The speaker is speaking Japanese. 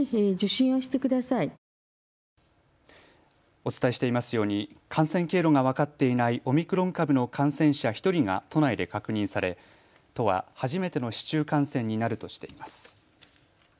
お伝えしていますように感染経路が分かっていないオミクロン株の感染者１人が都内で確認され都は初めての市中感染になるとしています。